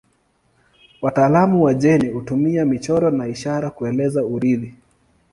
Wataalamu wa jeni hutumia michoro na ishara kueleza urithi.